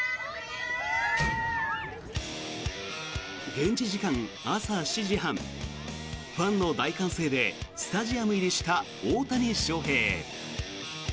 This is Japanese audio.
現地時間朝７時半ファンの大歓声でスタジアム入りした大谷翔平。